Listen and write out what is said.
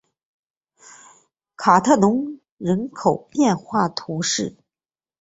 卡特农人口变化图示